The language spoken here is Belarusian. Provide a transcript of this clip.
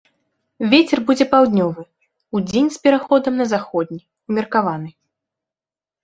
Вецер будзе паўднёвы, удзень з пераходам на заходні ўмеркаваны.